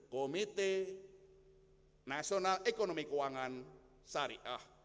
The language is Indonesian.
komite nasional ekonomi keuangan syariah